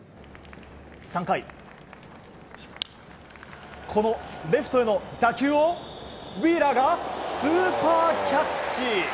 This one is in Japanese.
３回、このレフトへの打球をウィーラーがスーパーキャッチ！